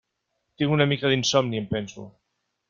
Tinc una mica d'insomni, em penso.